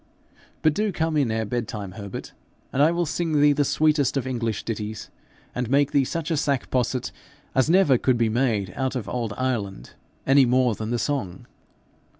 But do come in ere bed time, Herbert, and I will sing thee the sweetest of English ditties, and make thee such a sack posset as never could be made out of old Ireland any more than the song.'